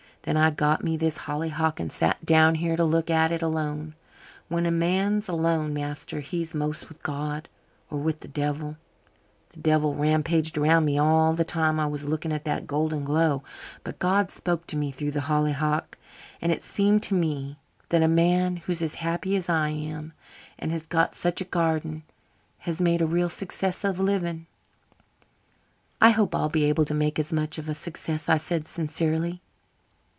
Then I got me this hollyhock and sat down here to look at it alone. When a man's alone, master, he's most with God or with the devil. The devil rampaged around me all the time I was looking at that golden glow; but God spoke to me through the hollyhock. And it seemed to me that a man who's as happy as I am and has got such a garden has made a real success of living." "I hope I'll be able to make as much of a success," I said sincerely.